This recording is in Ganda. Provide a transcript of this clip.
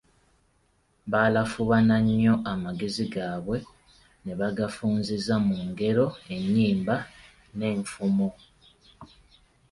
Balafuubana ennyo amagezi gaabwe ne bagafunziza mu ngero, ennyimba, n'enfumo.